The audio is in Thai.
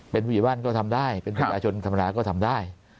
เป็นผู้ใหญ่บ้านก็ทำได้เป็นประชาชนธรรมดาก็ทำได้